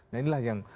nah inilah yang